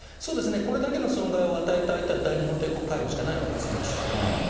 これだけの損害を与えた相手は、大日本帝国海軍しかないわけです、歴史上。